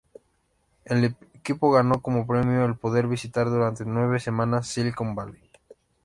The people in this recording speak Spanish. El equipo ganó como premio el poder visitar durante nueve semanas Silicon Valley.